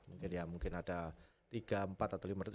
mungkin ya mungkin ada tiga empat atau lima ratus